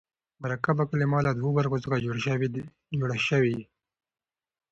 مرکبه کلمه له دوو برخو څخه جوړه سوې يي.